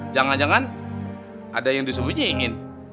jangan jangan ada yang disembunyiin